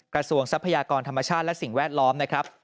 กระทรวงศัพท์พยากรธรรมชาติและสิ่งแวดล้อม